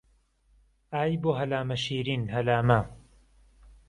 ئای بۆ هەلامە شیرین هەلامە